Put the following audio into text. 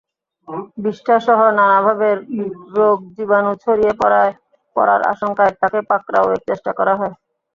বিষ্ঠাসহ নানাভাবে রোগজীবাণু ছড়িয়ে পড়ার আশঙ্কায় তাকে পাকড়াওয়ের চেষ্টা করা হয়।